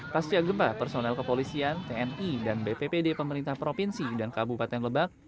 pasca gempa personel kepolisian tni dan bppd pemerintah provinsi dan kabupaten lebak